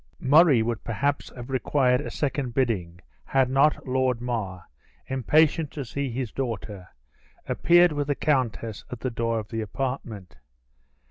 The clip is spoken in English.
Murray would perhaps have required a second bidding, had not Lord Mar, impatient to see his daughter, appeared with the countess at the door of the apartment.